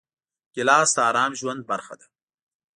ګیلاس د ارام ژوند برخه ده.